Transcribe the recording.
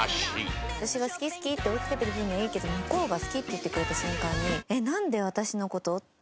私が「好き好き」って追いかけてる分にはいいけど向こうが「好き」って言ってくれた瞬間に。